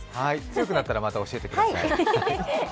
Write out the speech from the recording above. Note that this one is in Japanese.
強くなったら、また教えてください。